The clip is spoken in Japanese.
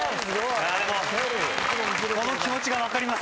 でもこの気持ちが分かります